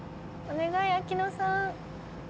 お願い秋野さん。